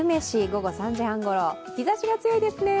午後３時半ごろ、日差しが強いですね。